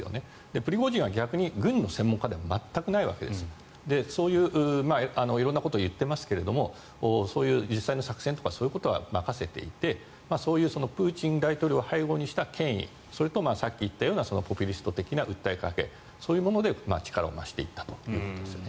プリゴジンは逆に軍の専門家では全くないわけで色んなことを言ってますけどそういう実際の作戦とかそういうことは任せていてそういうプーチン大統領を背後にした権威それとさっき言ったようなポピュリスト的な訴えかけそういうもので力を増していったということですね。